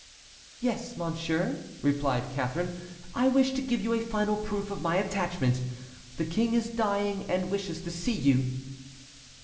"Yes, monsieur," replied Catharine, "I wish to give you a final proof of my attachment. The King is dying and wishes to see you."